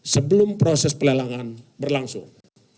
sebelum proses pelelangan berlangsung